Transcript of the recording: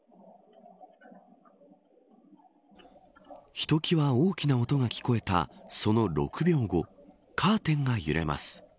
ひときわ大きな音が聞こえたその６秒後カーテンが揺れます。